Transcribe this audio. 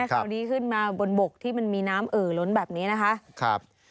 คราวนี้ขึ้นมาบนบกที่มันมีน้ำเอ่อล้นแบบนี้นะคะ